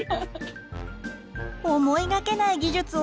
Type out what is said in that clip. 思いがけない技術を披露！